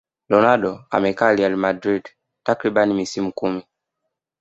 ronaldo amekaa real madrid takriban misimu kumi